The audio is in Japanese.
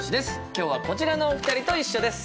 今日はこちらのお二人と一緒です。